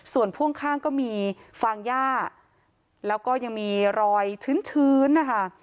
ส่วนพ่วงข้างก็มีฟางย่าแล้วก็ยังมีรอยชื้นนะคะ